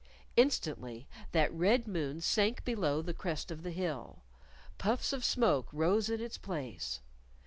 Instantly that red moon sank below the crest of the hill. Puffs of smoke rose in its place.